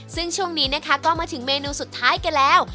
ซึ่งช่วงนี้นะคะก็มาถึงเมนูสุดท้ายกันแล้ว